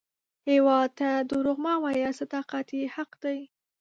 هیواد ته دروغ مه وایه، صداقت یې حق دی